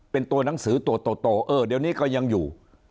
เป็นตัวหนังสือตัวโตเออเดี๋ยวนี้ก็ยังอยู่